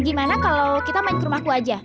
gimana kalau kita main ke rumahku aja